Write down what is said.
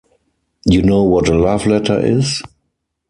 You know what a love letter is?